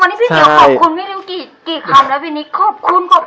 วันนี้พี่เดี๋ยวขอบคุณไม่รู้กี่คำแล้วพี่นี้ขอบคุณ